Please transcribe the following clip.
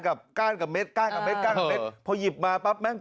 ก้านกับเม็ดก้านกับเด็ดก้านเม็ดพอหยิบมาปั๊บแม่ง